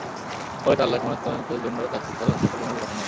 পরে তাঁর লাশ ময়নাতদন্তের জন্য চাঁদপুর সদর হাসপাতালের মর্গে পাঠানো হয়।